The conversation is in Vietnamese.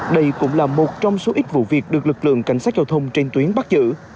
đây cũng là một trong số ít vụ việc được lực lượng cảnh sát giao thông trên tuyến bắt giữ